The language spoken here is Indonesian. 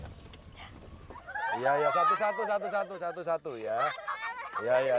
iya satu satu satu satu satu satu ya